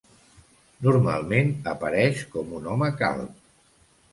Normalment, apareix com un home calb.